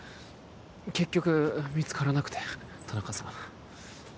結局見つからなくて田中さん